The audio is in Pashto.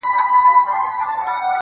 زه خو د وخت د بـلاگـانـــو اشـنا